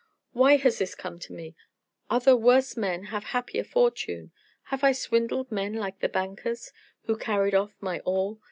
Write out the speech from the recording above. "Why has this come to me? Other worse men have happier fortune. Have I swindled men like the bankers, who carried off my all?